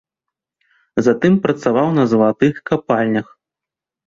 Затым працаваў на залатых капальнях.